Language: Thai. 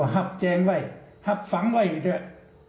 หับแจงไว้หับฝังไว้อีกเถอะ